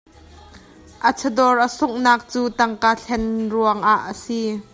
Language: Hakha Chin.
A chawdawr a sunghnak cu tangka thlen ruangah a si.